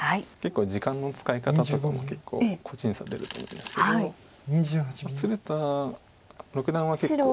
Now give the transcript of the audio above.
時間の使い方とかも結構個人差出ると思うんですけど鶴田六段は結構。